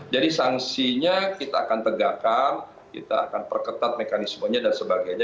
jadi sanksinya kita akan tegakkan kita akan perketat mekanismenya dan sebagainya